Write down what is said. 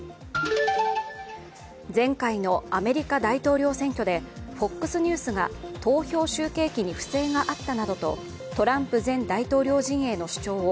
前回のアメリカ大統領選挙でＦＯＸニュースが投票集計機に不正があったなどとトランプ前大統領陣営の主張を